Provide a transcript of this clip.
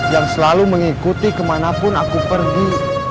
yang selalu mengikuti kemanapun aku pergi